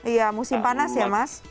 iya musim panas ya mas